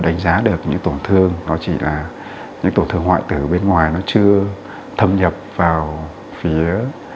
đánh giá được những tổn thương nó chỉ là những tổn thương hoại tử bên ngoài nó chưa thâm nhập vào phía